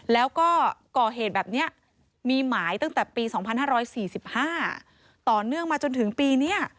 แล้วก็ก่อเหตุแบบนี้มีหมายตั้งแต่ปี๒๕๔๕ต่อเนื่องมาจนถึงปีนี้